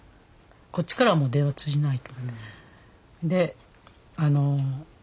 こっちからはもう電話通じない。